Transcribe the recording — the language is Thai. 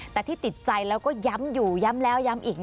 แต่ที่ติดใจแล้วก็ย้ำอยู่ย้ำแล้วย้ำอีก